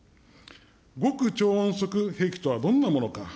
極超音速兵器とはどんなものか。